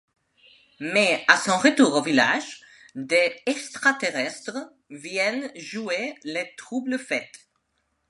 Mais, à son retour au village, des extraterrestres viennent jouer les trouble-fêtes.